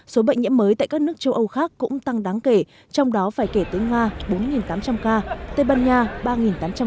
số bệnh nhiễm mới tại các nước châu âu khác cũng tăng đáng kể trong đó phải kể tới nga bốn tám trăm linh ca tây ban nha ba tám trăm linh ca